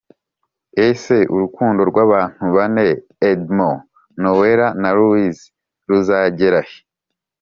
Ese urukundo rw’abantu bane Edmond, Noella na Louise ruzagerahe?